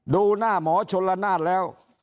ดูหน้าหมอชนละนานแล้ว